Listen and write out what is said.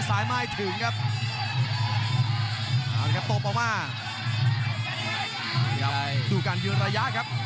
ที่สายไม้ถึงครับอยุธตกต๊อบออกมาดูการยืนระยะครับ